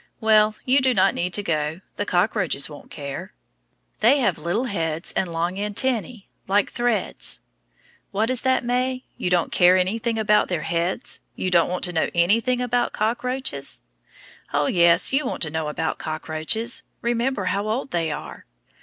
Well, you do not need to go; the cockroaches won't care. They have little heads and long antennæ, like threads. What is that, May? You don't care anything about their heads? You don't want to know anything about cockroaches? Oh, yes, you want to know about cockroaches. Remember how old they are.